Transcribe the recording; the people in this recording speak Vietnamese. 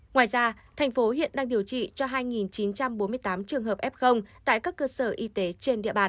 ngoài ra thành phố hiện đang điều trị cho hai chín trăm bốn mươi tám trường hợp f tại các cơ sở y tế trên địa bàn